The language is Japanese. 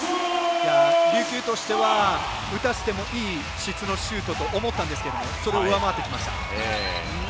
琉球としては打たせてもいい質のいいシュートと思ったんですけどそれを上回ってきました。